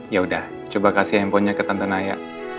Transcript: ya udah coba kasih handphonenya ke tante naya